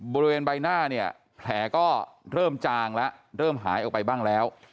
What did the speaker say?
บริเวณใบหน้าเนี่ยแผลก็เริ่มจางแล้วเริ่มหายออกไปบ้างแล้ว